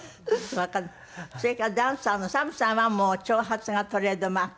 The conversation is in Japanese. それからダンサーのＳＡＭさんはもう長髪がトレードマーク。